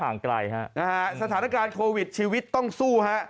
ไกลฮะนะฮะสถานการณ์โควิดชีวิตต้องสู้ฮะ